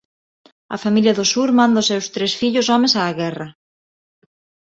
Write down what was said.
A familia do sur manda os seus tres fillos homes á guerra.